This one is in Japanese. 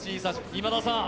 今田さん